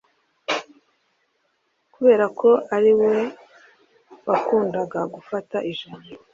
kubera ko ari we wakundaga gufata ijambo,”